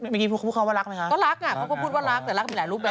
มีคำว่ารักไหมค่ะ